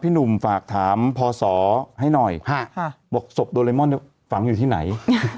หนุ่มฝากถามพศให้หน่อยบอกศพโดเรมอนฝังอยู่ที่ไหน